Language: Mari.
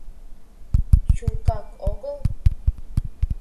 Чулкак огыл?